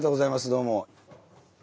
どうも。